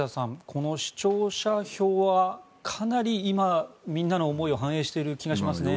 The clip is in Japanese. この視聴者票はかなり今、みんなの思いを反映している気がしますね。